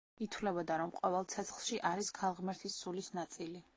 ითვლებოდა, რომ ყოველ ცეცხლში არის ქალღმერთის სულის ნაწილი.